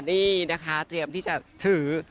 นี่นะคะเตรียมที่จะถือ